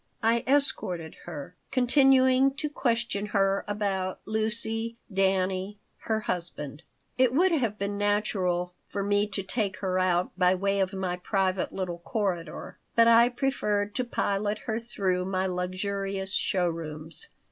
I escorted her, continuing to question her about Lucy, Dannie, her husband. It would have been natural for me to take her out by way of my private little corridor, but I preferred to pilot her through my luxurious show rooms.